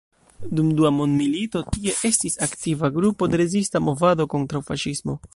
Dum dua mondmilito tie estis aktiva grupo de rezista movado kontraŭ faŝismo.